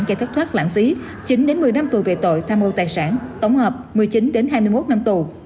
gây thất thoát lãng phí chín một mươi năm tù về tội tham mô tài sản tổng hợp một mươi chín hai mươi một năm tù